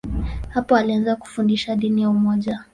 Hapo alianza kufundisha dini ya umoja.